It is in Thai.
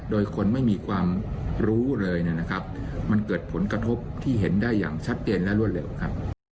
โดยคนไม่มีความรู้เลยนะครับมันเกิดผลกระทบที่เห็นได้อย่างชัดเจนและรวดเร็วครับ